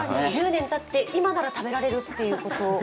１０年たって、今なら食べられるってこと。